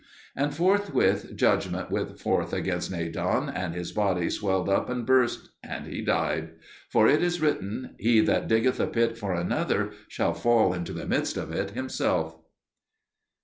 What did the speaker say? And forthwith judgment went forth against Nadan, and his body swelled up and burst, and he died. For it is written, "He that diggeth a pit for another shall fall into the midst of it himself."